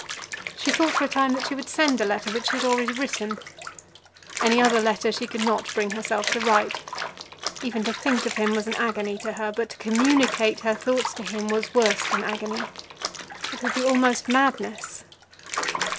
She thought for a time that she would send the letter which she had already written. Any other letter she could not bring herself to write. Even to think of him was an agony to her; but to communicate her thoughts to him was worse than agony. It would be almost madness.